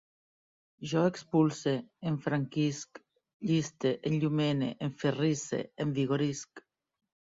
Jo expulse, enfranquisc, lliste, enllumene, enferrisse, envigorisc